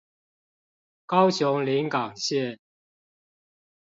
高雄臨港線